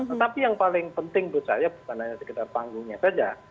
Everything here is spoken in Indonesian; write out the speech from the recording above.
tetapi yang paling penting menurut saya bukan hanya sekedar panggungnya saja